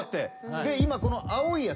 で今この青いやつ。